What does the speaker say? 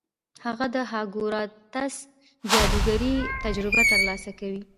هغه د هاګوارتس جادوګرۍ تجربه ترلاسه کوي.